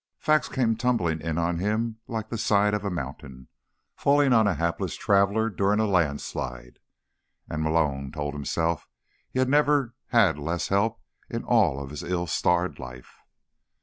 Facts came tumbling in on him like the side of a mountain, falling on a hapless traveler during a landslide. And, Malone told himself, he had never had less help in all of his ill starred life.